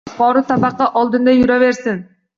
Yuqori tabaqa oldinda yuraversin.